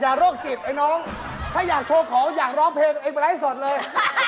อย่าโรคจิตไอ้น้องถ้าอยากโชว์ของอยากร้องเพลงไอ้ไอ้ไปไล่ให้สดเลย